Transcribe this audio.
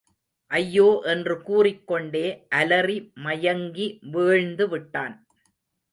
ஐயோ என்று கூறிக் கொண்டே அலறிமயங்கி வீழ்ந்துவிட்டான்.